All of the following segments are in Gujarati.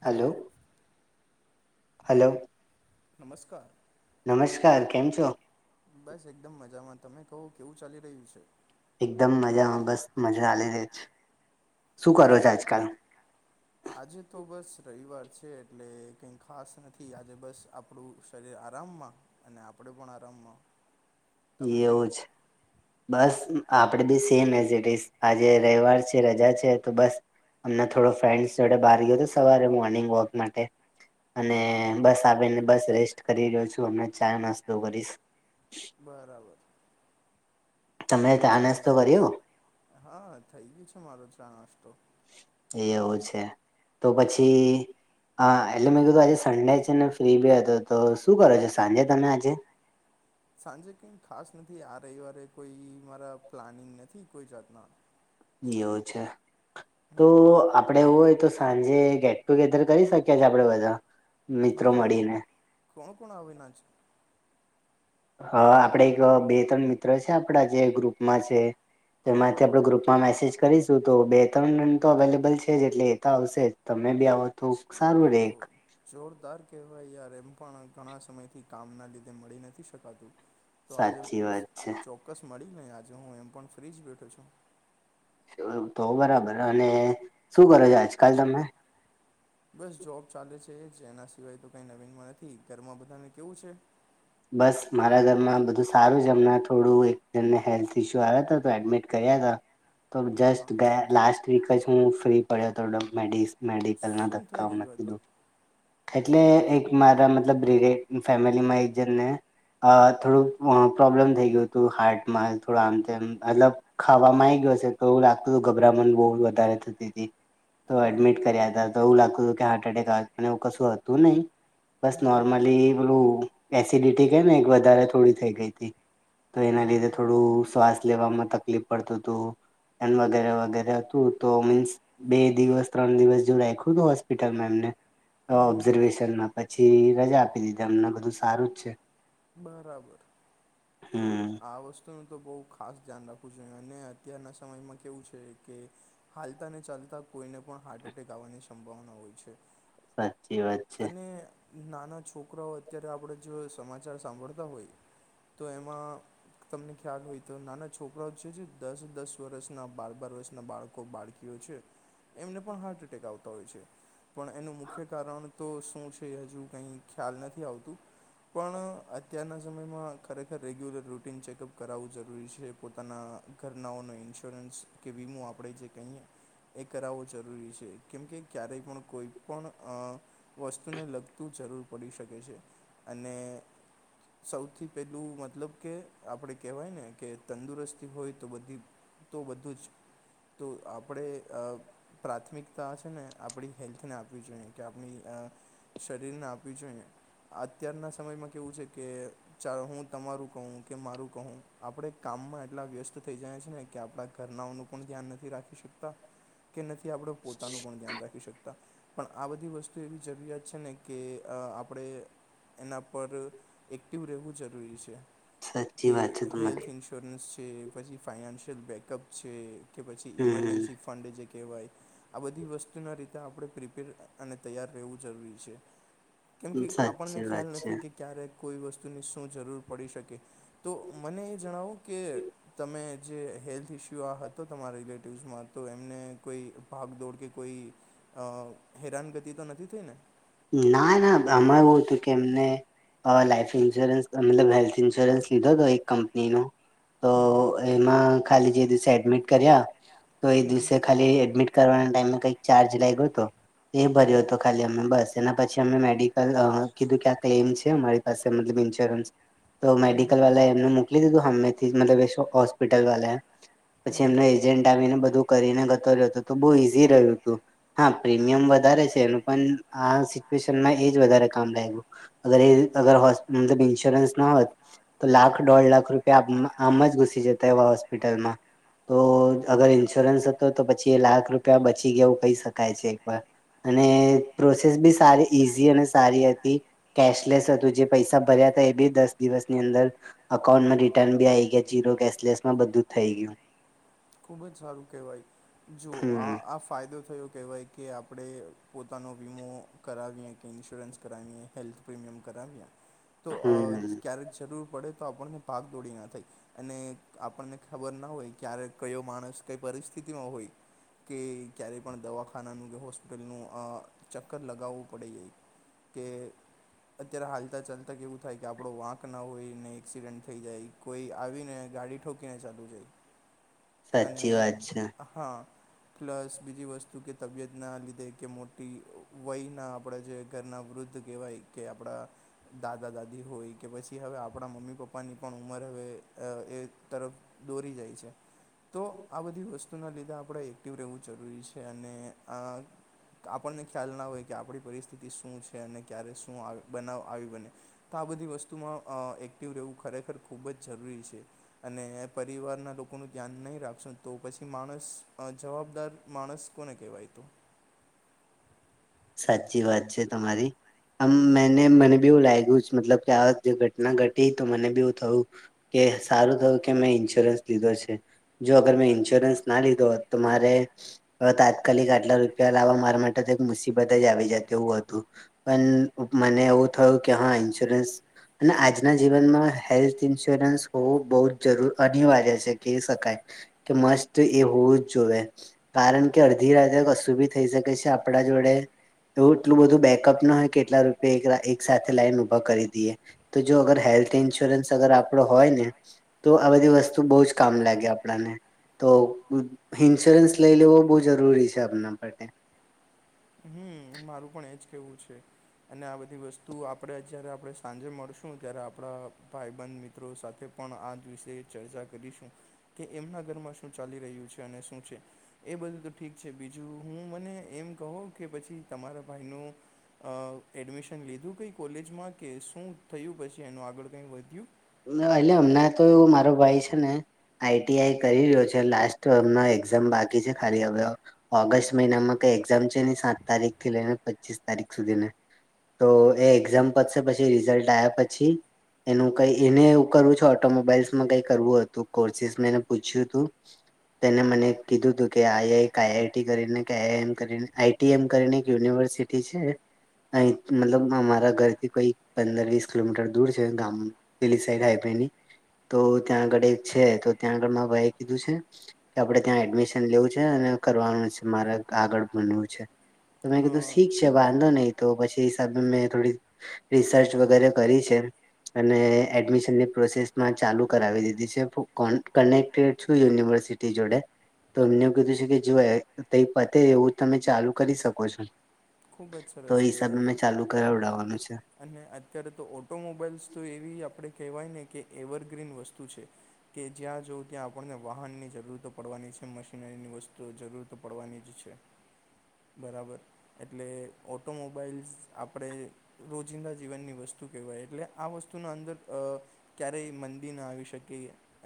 હલો-હલો. નમસ્કાર. નમસ્કાર કેમ છો. બસ એકદમ મજામાં તમે કહો કેવું ચાલી રહ્યું છે. એકદમ મજામાં બસ મજા હાલી રહે છે. બોલો મારો. [unintelligible] [inaudible] આજે તો બસ રવિવાર છે એટલે કંઈ ખાસ નથી આજે બસ આપણું શરીર આરામમાં અને આપણે પણ આરામમાં. એવું છે. બસ આપડે બી સેમ એઝ ઇટ ઇઝ આજે રવિવાર છે રજા છે તો બસ અમના થોડો ફ્રેન્ડસ જોડે બહાર ગયો તો સવારે મોર્નિંગ વોક માટે અને બસ આવીને બસ રેસ્ટ કરી રહ્યો છું અમના ચા નાસ્તો કરીશ. બરાબર. કેવું ચાલે છે બસ હા થઈ ગયું છે મારો ચા નાસતો. એવું છે તો પછી અહ એટલે મેં કીધું આજે સન્ડે છે ને ફ્રી બી હતો તો શું છો સાંજે તમે આજે. સાંજે કંઈ ખાસ નથી આ રવિવારે કોઈ મારા પ્લાનિંગ નથી કોઈ જાતના. એવું છે એમ તો આપડે એવું હોય તો સાંજે ગેટ ટુગેધર કરી શકીએ છીએ આપડે બધા. હા કોણ-કોણ આવેના છે. હ આપડે એક બે ત્રણ મિત્ર છે આપડા જે ગ્રુપમાં છે. તો એમાંથી આપડે ગ્રુપમાં મેસેજ કરીશું તો બે-ત્રણ જન તો અવેલેબલ છે જ એટલે એ તો આવશે જ તમે બી આવો તો સારું. તો-તો જોરદાર કહેવાય યાર એમ પણ ઘણા સમયથી કામના લીધે મળી નથી શકાતું. તો આજે ચોક્કસ મળી લેયે આજે હું એમ પણ ફ્રીજ બેઠો છું. તો બરાબર અને શું કરો છો આજકાલ તમે. [inaudible] [inaudible] [unintelligible] બસ જોબ ચાલે છે જેના સિવાય તો કઈ નવીનમાં નથી ઘરમાં બધાને કેવું છે? બસ મારા ઘરમાં બધું સારું હમણાં થોડું એક જને હેલ્થ ઇસ્યુ આવ્યા ત તો એડમિટ કર્યા તા તો જસ્ટ ગયા લાસ્ટ વીક જ હું ફ્રી પડ્યો હતો મેડિસ મેડિકલ ના ધક્કા ઓ ને, એટલે એક મતલબ રિલેટિવ ફેમિલીમાં એક જેને અ થોડું પ્રોબ્લેમ થઈ ગયું તું હાર્ટમાં થોડું આમ મતલબ ખાવામાં આવી ગયો હસે તો [inaudible] ગભરામણ બહ વધારે થતી હતી, તો એડમિટ કર્યા ત તો એવું લાગતું હતું કે હાર્ટ એટેક એવું કશું હતું નહીિ, બસ નોર્મલી ઓલું એસિડિટી કે ને એક વધારે થોડી થઈ ગઈ હતી, તો એના લીધે થોડું સ્વાસ લેવામાં તકલીફ પડતું હતું, એ વગેરે વગેરે હતું તો મીન્સ બે દિવસ, ત્રણ દિવસ જેવું રાયખું તુ હોસ્પિટલમાં એમને ઓબ્ઝર્વેશનમાં પછી રજા આપી દીધી અમને બધું સારું જ છે. બરાબર. હમ. આ વસ્તુનું તો બહુ ખાસ ધ્યાન રાખવું જોઈએ અને અત્યારના સમયમાં કેવું છે કે હાલતા ને ચાલતા કોઈને પણ હાર્ટ એટેક આવવાની સંભાવના હોય છે. અને નાના છોકરાઓ અત્યારે આપણે જો સમાચાર સાંભળતા હોય, તો એમાં તમને ખ્યાલ હોય તો નાના છોકરાઓ છે, જે દસ દસ વર્ષના બાર બાર વર્ષના બાળકો બાળકીઓ છે. એમને પણ હાર્ટ એટેક આવતા હોય છે. પણ એનું મુખ્ય કારણ તો શું છે, એ હજુ કઈ ખ્યાલ નથી આવતું પણ અત્યારના સમયમાં ખરેખર રેગ્યુલર રૂ ટીન ચેકઅપ કરાવવું જરૂરી છે, પોતાના ઘરનાઓનો ઇન્સ્યોરન્સ કે વીમો આપણે જે કહીએ. એ કરાવવો જરૂરી છે, કેમ કે ક્યારેય પણ કોઈ પણ અ વસ્તુને લગતું જરૂર પડી શકે છે, અને સૌથી પહેલું મતલબ કે આપણે કહેવાય ને કે તંદુરસ્તી હોય તો બધી તો બધું જ તો આપણે અ પ્રાથમિક તા છે, ને આપણી હેલ્થને આપવી જોઈએ કે આપણી અ શરીરને આપવી જોઈએ. અત્યારના સમયમાં કેવું છે, કે અંઆ હું તમારું કહું કે મારું કહું આપણે કામમાં એટલા વ્યસ્ત થઈ જાય છે, ને કે આપણા ઘરનાઓનું પણ ધ્યાન નથી રાખી શકતા કે નથી આપડે પોતાનું પણ ધ્યાન રાખી શકતા. પણ આ બધી વસ્તુ એવી જરૂરિયાત છે, ને કે અ આપડે એના પર એક્ટિવ રહેવું જરૂરી છે, કે હેલ્થ ઇન્સ યોરન્સ છે, પછી ફાાયનાન્શિયલ બેકઅપ છે, કે પછી ઈમરજન્સી ફંડ જે કેવાય આ બધી વસ્તુના રીતે આપણે પ્રિપેર અને તૈયાર રહેવું જરૂરી છે. કેમ કે આપણને ખ્યાલ નથી કે ક્યારેક કોઈ વસ્તુની શું જરૂર પડી શકે તો મને એ જણાવું કે તમે જે હેલ્થ ઇસ્યુ આ હતો તમારા રિલેટિવ્સમાં તો એમને કોઈ ભાગ દોડ કે કોઈ અ હેરાનગતિ તો નથી થઈ ને? ના ના આમાં એવું હતું કે એમને લાઈફ ઇન્સ્યોરન્સ મતલબ હેલ્થ ઇન્સ્યોરન્સ લીધો હતો એક કંપની ન તો એમાં ખાલી જે દિવસે એડમિટ કર્યા તો એ દિવસે ખાલી એડમિટ કરવાના ટાઈમે કઈક ચાર્જ લાગ્યોતો એ ભર્યો હતો ખાલી અ બસ એના પછી અમે મેડી કલ અ કીધું કે આ ક્લેમ છે, અમારી પાસે મતલબ ઇન્સ્યોરન્સ તો મેડિકલ વાલે મોકલી દીધું હામેથી મતલબ હોસ્પિટલ [inaudible] પછી એમને એજન્ટ આવીને બધું કરીને જતો રહ્યોતું તો બો ઈઝી રહ્યું હતુ. હા પ્રીમિયમ વધારે છે, એનું પણ આ સિચ્યુએશનમાં એ જ વધારે કામ લાયગુ અગર એ અગર હોસ્ મતલબ ઈન્શ્યોરન્સ ન તો લાખ દોઢ લાખ રૂપિયા [unintelligible] આમ જ ઘુસી જતા હોસ્પિટલમાં તો અગર ઇન્સ્યોરન્સ તો તો પછી એ લાખ રૂપિયા બચી ગયા એવું કહી શકાય છે, એક વાર અને પ્રોસેસ બી સારી ઈઝી અને સારી હતી. કેશલેસ હતું જે પૈસા ભર્યા હતા એ બી દસ દિવસની અંદર અકાઉન્ટમાં રિટર્ન બી આઈ ગયા જીરો કેશલેસમાં બધું થઈ ગયું. ખૂબ જ સારું કહેવાય જુઓ આ આ ફાયદો થયો કહેવાય કે આપડે પોતાનો વીમો કરાવીએ કે ઇન્સ્યોરન્સ કરાવીએ હેલ્થ પ્રીમિયમ કરાવીએ તો અ ક્યારેક જરૂર પડે તો આપણને ભાગ દોડીના થાય અને આપણને ખબર ના હોય ક્યારે કયો માણસ કઈ પરિસ્થિતિમાં હોય. કે ક્યારેય પણ દવાખાનાનું કે હોૉસ્પિટલનું અ ચક્કર લગાવવું પડે જાય કે અત્યારે હાલતાં ચાલતાં કેવું થાય કે આપણો વાંક ન હોય ને એક્સિડન્ટ થઈ જાય કોઈ આવીને ગાડી ઠોકીને ચાલ્યુ જાય અને હા પ્લસ બીજી વસ્તુ કે તબિયત ના લીધે કે મોટી વયના આપણે જે ઘરના વૃદ્ધ કેહેવાય કે આપડા દાદા દાદી હોય કે પછી હવે આપણા મમ્મી પપ્પાની પણ ઉંમર હવે એ તરફ દોરી જાય છે. તો આ બધી વસ્તુના લીધે આપણે એક્ટિવ રહેવું જરૂરી છે અને આ આપણને ખ્યાલ ના હોય કે આપણી પરિસ્થિતિ શું છે અને ક્યારે શું બનાવ આવી બને તો આ બધી વસ્તુમાં એક્ટિવ રહેવું ખરેખર ખૂબ જ જરૂરી છે. અને પરિવાર ના લોકો નુ ધ્યાન નહી રાખશો તો પછી માણસ જવાબદાર માણસ કોને કહેવાય તો. સાચી વાત છે તમારી. આમ મેને મને બી એવું લાગ્યું જ મતલબ કે આ જે ઘટના ઘટી તો મને બી એવું થયું કે સારું થયું કે મેં ઈન્સ્યોરન્સ લીધો છે. જો અગર મેં ઇન્સ્યોરન્સ ના લીધો હો તો મારે અવે તાત્કાલિક આટલા રૂપિયા લાવવા મારા માટે એક મુશી બધા જ આવી જાત એવું હતું પણ મને એવું થયું કે હા ઇન્સ્યોરન્સ આજના જીવનમાં હેલ્થ ઇન્સ્યોરન્સ હોવો બહુ જ જરૂર અનિવાર્ય છે કહી શકાય કે મસ્ત એ હોવું જ જોએ કારણ કે અડધી રાતેે કશું ભી થઈ શકે છે આપણા જોડે એવું એટલું બધું બેકઅપ ના હોય કે એટલા રૂપિયા એક સાથે લાઈ ને ઊભા કરી દઈએ તો જો અગર હેલ્થ ઇન્સ્યોરન્સ અગર આપડો હોય ને તો આ બધી વસ્તુ બહુ જ કામ લાગે આપણાને તો હિન્સ્યોરન્સ લઈ લેવો બહુ જરૂરી છે આપના માટે. મારું પણ એજ કેવું છે. અને આ બધી વસ્તુ આપણે જયારે આપણે સાંજે મળશું ત્યારે આપણા ભાઈબંધ મિત્ર ત્રો સાથે પણ આજ વિશે ચર્ચા કરીશું કે એમના ઘરમાં શું ચાલી રહ્યું છે અને શું છે એ બધું તો ઠીક છે બીજું હું મને એમ કહું કે પછી તમારા ભાઈ નો એડમિશન લીધું કંઈ કોલેજમાં કે શું થયું પછી એનું આગળ કંઈ વધ્યું. ના એટલે હમણાં તો મારો ભાઈ છે ને આઈટી આઈ કરી રહ્યો છે લાસ્ટમા [unintelligible] એક્ઝામ બાકી છે ખાલી હવે ઓગસ્ટ મહિનામાં એક્ઝામ છે એની સાત તારીખ થી લઈને પચીસ તારીખ સુધી ના. તો એ એક્ઝામ પતશે પછી રિઝલ્ટ આવ્યા પછી એનું કઈ એને એવું કરવું છે ઓટોમોબાઈલ્સમાં કઈ કરવું હતું કોર્સિસ એને પૂછ્યું હતું. તેને મને કીધું હતું કે આઈઆઈ આઈઆઈટી કરીને કે આઈઆઈએમ કરીને આ ટી એમ કરીને એક યુનિવર્સિટી છે. અહી મતલબ અમારા ઘરથી કોઈ પંદર વીસ કિલોમીટર દૂર છે ગામ પેલી સાઈડ હાઈ ભાઈની તો ત્યાં આગળ એક છે તો ત્યાં આગળમાં ભાઈ કીધું છે. કે આપણે ત્યાં એડમિશન લેવું છે અને કરવાનું છે મારે આગળ ભણવું છે. તો મે કીધું શીખ છે બાંધો નહીં તો પછી હિસાબે મે થોડી રિસર્ચ વગેરે કરી છે અને એડમિશનની પ્રોસેસમાં ચાલુ કરાવી દીધી છે કનેક્ટેડ છું યુનિવર્સિટી જોડે તો એમને કીધું છે કે જો પતે એવું તમે ચાલુ કરી શકો છો. તો એ હિસાબે મેં ચાલુ કરાવડવાનું છે. અને અત્યારે તો ઓટોમોબાઈલ્સ તો એવી આપણે કહેવાયને, કે એવરગ્રીન વસ્તુ છે. કે જ્યાં જવઉ, ત્યાં આપણને વાહનની જરૂર તો પડવાની છે, મશીનરીની વસ્તુઓ જરૂર તો પડવાની જ છે. બરાબર. એટલે ઓટોમોબાઈલ્સ આપણે રોજિંદા જીવનની વસ્તુ કહેવાય એટલે આ વસ્તુના અંદર અ ક્યારેય મંદી ન આવી શકે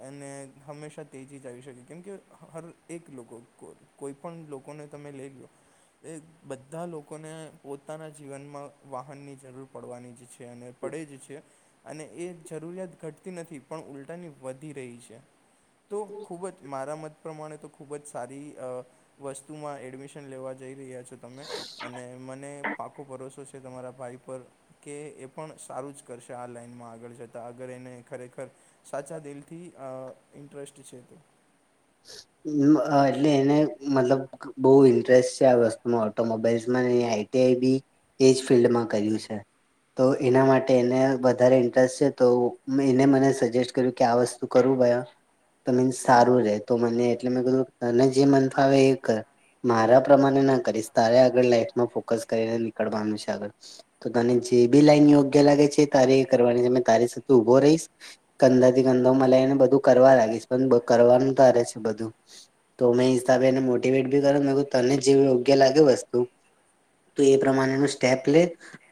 અને હંમેશા તેજી જ આવી શકે, કેમ કે હર એક લોકો કોલ કોઈપણ લોકોને તમે લઈલો, એ બધા બધા લોકોને પોતાના જીવનમાં વાહનની જરૂર પડવાની જે છે અને પડે જે છે અને એ જરૂરિયાત ઘટતી નથી, પણ ઉલટાની વધી રહી છે, તો ખૂબ જ મારા મત પ્રમાણે તો ખૂબ જ સારી અ વસ્તુમાં એડમિશન લેવા જઈ રહ્યા છો તમે? અને મને પાકો ભરોસો છે, તમારા ભાઈ પર કે એ પણ સારું જ કરશે, આ લાઈનમાં આગળ જતાં અગર એને ખરેખર સાચા દિલથી અ ઇન્ટરેસ્ટ છે, તે [inaudible] એટલે એને મતલબ બો ઇન્ટરેસ્ટ છે આ વસ્તુમાં ઓટોમોબાઇલસ માં ને આઈટીઆઈ બી એજ ફિલ્ડમાં કર્યું છે. તો એના માટે એને વધારે ઇન્ટરેસ્ટ છે તો, એને મને સજેસ્ટ કર્યું કે આ વસ્તુ કરું ભાઈ આ ત એમ સારું રે તો મને એટલે મેં કહ્યું તને જે મન ફાવ એ કર મારા પ્રમાણે ના કરીશ, તારે આગળ લાઈફમાં ફોકસ કરીને નીકળવાનું છે, આગળ તો તને જે બી લાઈન યોગ્ય લાગે છે, તારે એ કરવાની છે મેં તારી સાથે ઊભો રહીશ કંધા થી કંધો મલાય ને બધું કરવા લાગીશ, પણ બ કરવાનું તારે છે બધું તો મે હિસાબે એને મોટીવેટ બી કરો મે કીધું તને જેવ યોગ્ય લાગે વસ્તુ તો એ પ્રમાણેનું સ્ટેપ લે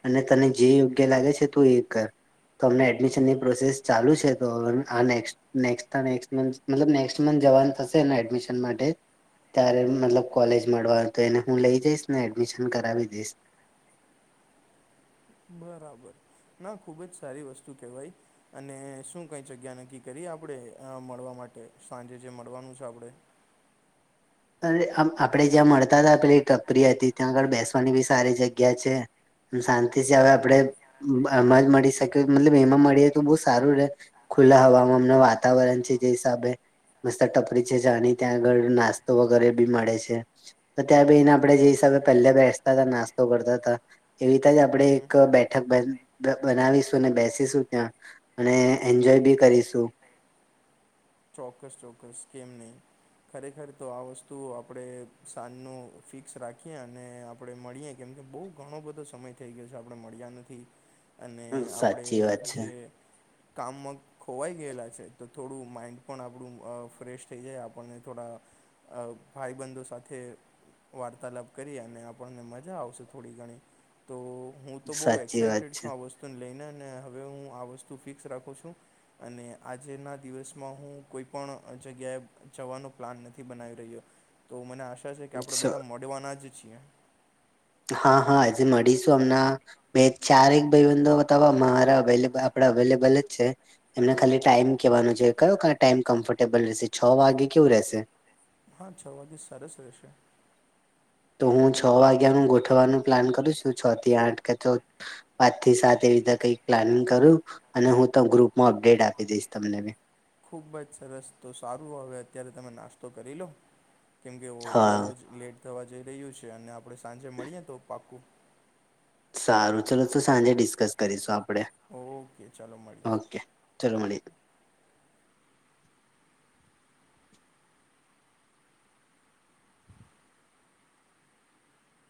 અને તને જે યોગ્ય લાગે છે, તું એ કર. તો અમને એડમિશનની પ્રોસેસ ચાલુ છે, તો આને નેક્સ્ટ ના નેક્સ્ટ મતલબ ને [unintelligible] જવાનું થશે ને એડમિશન માટે ત્યારે મતલબ કોલેજ મળવાનું તો, એને હું લઈ જઈશ ને એડમિશન કરાવી દઈશ. બરાબર. ના ખુબ જ સારી વસ્તુ કેવાય? અને શું કઈ જગ્યા નક્કી કરીએ આપણેે મળવા માટે સાંજે જે મળવાનું છે, આપણેે. અરે! અ આપણે જ્યાં મળતા હતા, પેલી ટપરી હતી, ત્યાં આગળ બેસવાની બી સારી જગ્યા છે, શાંતિ છે, હવે આપડે એમાં જ મળી શક્યો તો મતલબ એમાં મળીએ તો બો સારું રે. ખુલ્લા હવામાન વાતાવરણ છે, જે હિસાબે મસ્ત ટપરી છે, જાણી ત્યા આગળ ના તો વગેરે બી મળે છે, તો ત્યાં બેહી ને આપણે જે હિસાબે પહેલા બેસતા હતા, નાસ્તો કરતા હતા, એવી રીતેના જ આપણે એક બેઠક બન બનાવીશું, અને બેસીશું ત્યાં. અને એન્જોય બી કરીશું. ચોક્કસ ચોક્કસ કેમ નહીં. ખરેખર તો આ વસ્તુ આપણે સાંજનું ફિક્સ રાખીએ અને આપ આપણે મળીએ કેમ કે બહુ ઘણો બધો સમય થઇ ગયો છે આપણે મળ્યા નથી. અને આપણે જે કામમાં ખોવાઈ ગયેલા છે, તો થોડું માઇન્ડ પણ આપણું ફ્રેશ થઈ જાય, આપણને થોડા ભાઈબંધો સાથે વાર્તાલાપ કરીએ અને આપણને મજા આવશે થોડી ઘણી તો હું તો બહુ એક્સાાઈટેડ છું, આ વસ્તુ વસ્તુને લઈને અને હવે હું આ વસ્તુ ફિક્સ રાખું છું અને આજેના દિવસમાં હું કોઈ પણ અ જગ્યાએ જવાનો પ્લાન નથી બનાવી રહ્યો, તો મને આશા છે કે આપણેે બધા મ જોવાનાજ છીએ. હા હા આજે મળીશું અમનાં બે ચારેક ભઈબંધો તો મારા અવેલેબ આપડા અવેલેબલ જ છે. એમને ખાલી ટાઈમ કેવાનો છે કયો ટાઈમ કમ્ફર્ટેબલ રહેશે છ વાગે કેવું રહેશે? હા છ વાગે સરસ રહેશે. તો હું છ વાગ્યાનું ગોઠવાનું પ્લાન કરું છું છ થી આઠ કે તો પાંચ થી સાત એવી રીતે કઈક પ્લાનિંગ કરું અને હું તો ગ્રુપમાં અપડેટ આપી દઈશ તમને બી. ખુબ જ સરસ તો સારું હવે અત્યારે તમે નાસ્તો કરી લો કેમકે બો બવજ લેટ થવા જઈ રહ્યું છે અને આપડે સાંજે મળીએ તો પાક્કું સારું ચલો તો સાંજે ડિસકસ કરીશું આપડે. ઓકે ચાલો માળિયે. ચલો મળયે.